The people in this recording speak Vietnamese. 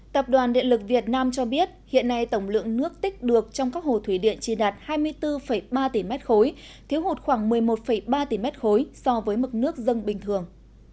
tập đoàn điện lực việt nam cho biết hiện nay tổng lượng nước tích được trong các hồ thủy điện chỉ đạt hai mươi bốn ba tỷ m ba thiếu hụt khoảng một mươi một ba tỷ m ba so với mực nước dân bình thường